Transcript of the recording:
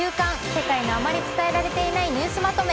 世界のあまり伝えられていないニュースまとめ」。